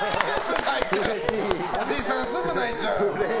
おじさん、すぐ泣いちゃう。